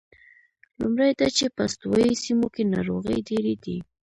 لومړی دا چې په استوایي سیمو کې ناروغۍ ډېرې دي.